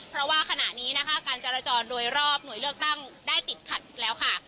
เพราะว่าขณะนี้นะคะการจราจรโดยรอบหน่วยเลือกตั้งได้ติดขัดแล้วค่ะ